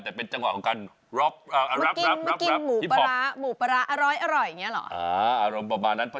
แต่เป็นจังหวะของการรับที่ฝอบมากินหมูปลาร้า